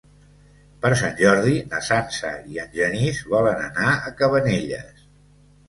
Per Sant Jordi na Sança i en Genís volen anar a Cabanelles.